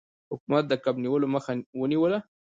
حکومت د کب نیولو مخه ونیوله.